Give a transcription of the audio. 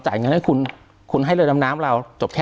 จ่ายเงินให้คุณคุณให้เลยน้ำน้ำเรา